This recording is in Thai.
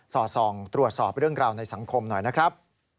อดส่องตรวจสอบเรื่องราวในสังคมหน่อยนะครับ